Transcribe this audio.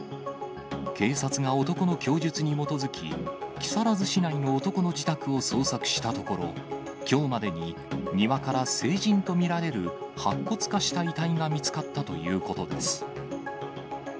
警察が男の供述に基づき、木更津市内の男の自宅を捜索したところ、きょうまでに庭から成人と見られる白骨化した遺体が見つかったということです。